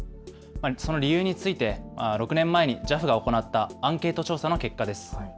その理由について６年前にＪＡＦが行ったアンケート調査の結果です。